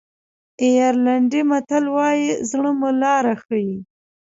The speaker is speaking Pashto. آیرلېنډي متل وایي زړه مو لاره ښیي.